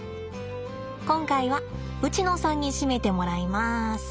今回はウチノさんにしめてもらいます。